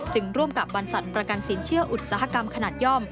ร่วมกับบรรษัทประกันสินเชื่ออุตสาหกรรมขนาดย่อม